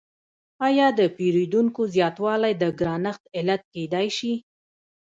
آیا د پیرودونکو زیاتوالی د ګرانښت علت کیدای شي؟